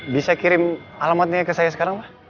bisa kirim alamatnya ke saya sekarang